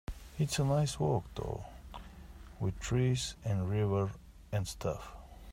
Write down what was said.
It's a nice walk though, with trees and a river and stuff.